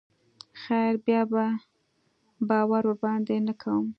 خير بيا به باور ورباندې نه کوم.